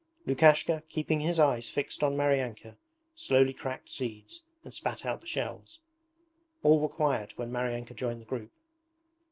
Lukashka, keeping his eyes fixed on Maryanka, slowly cracked seeds and spat out the shells. All were quiet when Maryanka joined the group.